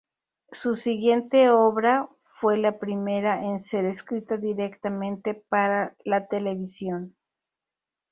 Su siguiente obra fue la primera en ser escrita directamente para la televisión.